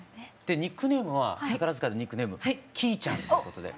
ニックネームは宝塚でニックネーム「きーちゃん」ってことで。